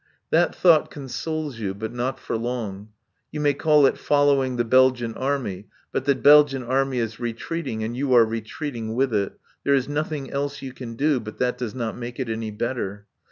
That thought consoles you, but not for long. You may call it following the Belgian Army. But the Belgian Army is retreating, and you are retreating with it. There is nothing else you can do; but that does not make it any better.